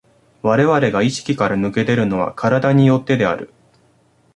我々が意識から脱け出るのは身体に依ってである。